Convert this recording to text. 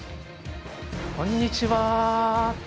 こんにちは。